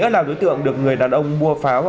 các đối tượng được người đàn ông mua pháo